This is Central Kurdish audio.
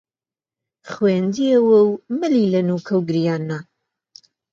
خوێندیەوە و ملی لە نووکە و گریان نا